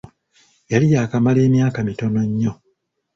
Yali yaakamala emyaka mitono nnyo.